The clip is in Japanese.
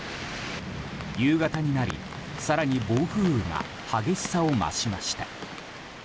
夕方になり更に暴風雨が激しさを増しました。